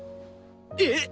えっ！